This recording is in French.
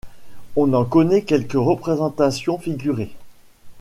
On en connaît quelques représentations figurées.